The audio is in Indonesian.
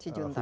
si junta ya